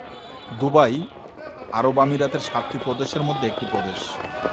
Dubai আরব আমিরাতের সাতটি প্রদেশের মধ্যে একটি প্রদেশ।